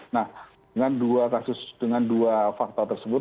nah dengan dua kasus dengan dua fakta tersebut